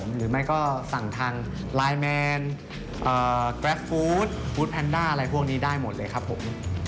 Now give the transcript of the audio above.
หรือไม่ก็สั่งทางไลน์แมนแกรฟฟู้ดฟู้ดแพนด้าอะไรพวกนี้ได้หมดเลยครับผม